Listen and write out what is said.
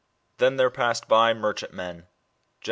" Then there passed by ... merchantmen." GEN.